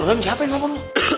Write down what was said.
gua udah mencapain nomor lu